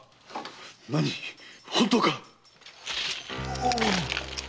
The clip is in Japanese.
何⁉本当か？